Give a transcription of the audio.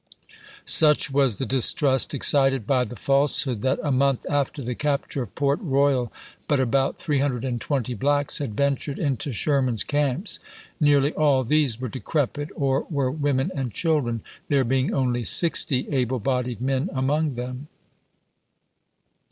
Such was the distrust excited by the falsehood, that a month after the capture of ^^ Port Eoyal but about 320 blacks had ventured into ^Th^^asf Shei man's camps; nearly all these were decrepit, i86i!'^ wf'K. or were women and children, there being only ^p!'205!" sixty able bodied men among them.